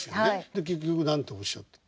で結局何ておっしゃった？